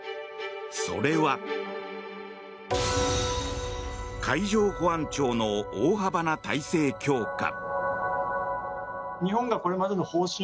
それは海上保安庁の大幅な体制強化。